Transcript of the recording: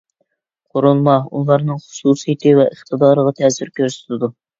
قۇرۇلما ئۇلارنىڭ خۇسۇسىيىتى ۋە ئىقتىدارىغا تەسىر كۆرسىتىدۇ.